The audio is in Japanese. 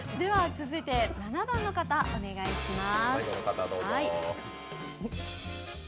続いて７番の方、お願いします。